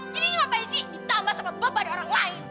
jadi ini ngapain sih ditambah sama beban orang lain